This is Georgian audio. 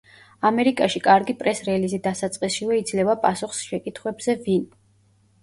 ამერიკაში კარგი პრეს-რელიზი დასაწყისშივე იძლევა პასუხს შეკითხვებზე: ვინ?